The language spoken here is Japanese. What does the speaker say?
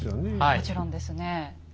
もちろんですね。